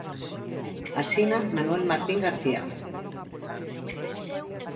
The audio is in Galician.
Asina Manuel Martín García.